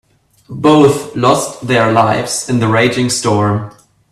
Both lost their lives in the raging storm.